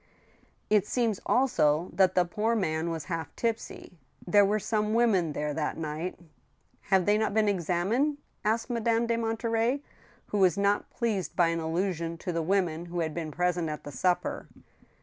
" It seems also that the poor man was half tipsy. There were some women there that night —"" Have they not been examined ?" asked Madame de Monterey, who was not pleased by an allusion to the women who had been present at the supper.